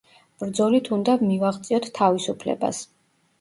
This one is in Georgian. ბრძოლით უნდა მივაღწიოთ თავისუფლებას!